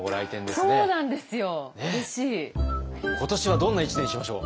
今年はどんな一年にしましょう？